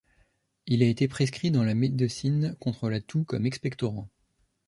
Il a été prescrit dans la médecine contre la toux comme expectorant.